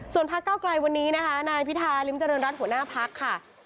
ส่วนพักเก้าไกลวันนี้นะคะนายพิธาริมเจริญรัฐหัวหน้าพักค่ะ